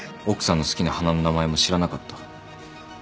奥さんの好きな花の名前も知らなかった。